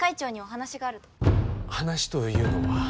話というのは？